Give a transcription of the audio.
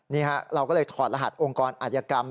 นี่ฮะเราก็เลยถอดรหัสองค์กรอาธิกรรม